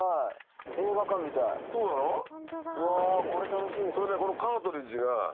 うわこれ楽しい。